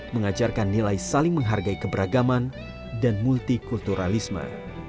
mengajarkan nilai saling menghargai keberagaman dan multi kulturalisme